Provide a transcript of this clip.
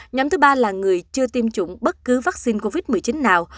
nhóm thứ ba là người chưa tiêm chủng bất cứ vắc xin covid một mươi chín nào